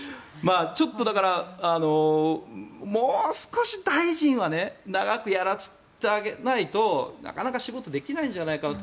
ちょっと、だからもう少し大臣はね長くやらせてあげないとなかなか仕事ができないんじゃないかなと。